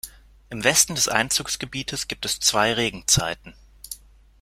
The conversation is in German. Im Westen des Einzugsgebietes gibt es zwei Regenzeiten.